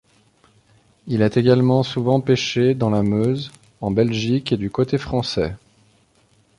Il est également souvent pêché dans la Meuse en Belgique et du côté français.